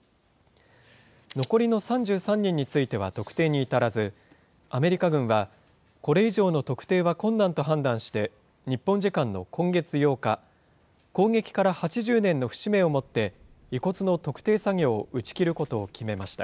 残りの３３人については特定に至らず、アメリカ軍はこれ以上の特定は困難と判断して、日本時間の今月８日、攻撃から８０年の節目をもって、遺骨の特定作業を打ち切ることを決めました。